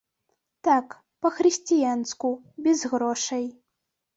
Так, па-хрысціянску, без грошай.